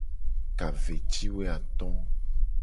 Ka ve ci wo ato.